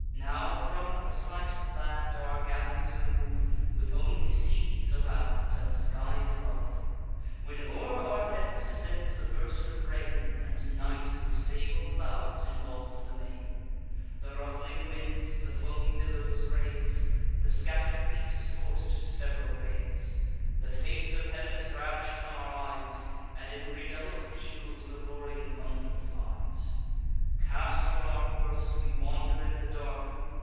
Now from the sight of land our galleys move, With only seas around and skies above; When o'er our heads descends a burst of rain, And night with sable clouds involves the main; The ruffling winds the foamy billows raise; The scatter'd fleet is forc'd to sev'ral ways; The face of heav'n is ravish'd from our eyes, And in redoubled peals the roaring thunder flies. Cast from our course, we wander in the dark.